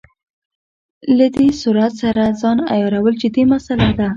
له دې سرعت سره ځان عیارول جدي مساله ده.